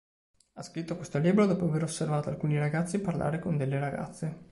Ha scritto questo libro dopo aver osservato alcuni ragazzi parlare con delle ragazze.